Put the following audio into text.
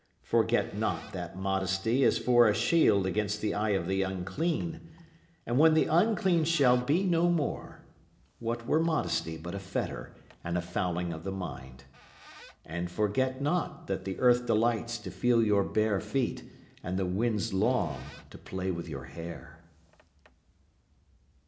Forget not that modesty is for a shield against the eye of the unclean. And when the unclean shall be no more, what were modesty but a fetter and a fouling of the mind? And forget not that the earth delights to feel your bare feet and the winds long to play with your hair.